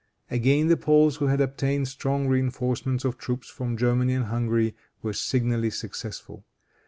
Again the Poles, who had obtained strong reinforcements of troops from Germany and Hungary, were signally successful.